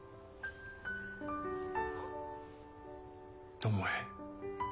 巴。